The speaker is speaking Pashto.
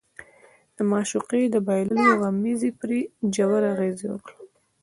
د معشوقې د بايللو غمېزې پرې ژور اغېز وکړ.